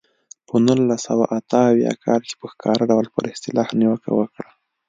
په نولس سوه اته اویا کال کې په ښکاره ډول پر اصطلاح نیوکه وکړه.